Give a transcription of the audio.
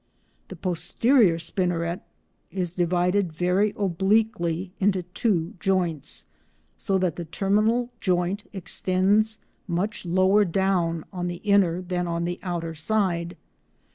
The posterior spinneret is divided very obliquely into two joints, so that the terminal joint extends much lower down on the inner than on the outer side.